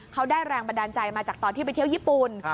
เขาได้แรงบันดาลใจมาจากตอนที่ไปเที่ยวญี่ปุ่น